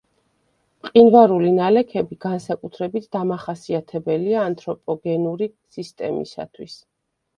მყინვარული ნალექები განსაკუთრებით დამახასიათებელია ანთროპოგენური სისტემისათვის.